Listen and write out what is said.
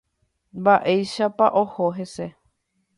Mba'éichapa oho hese.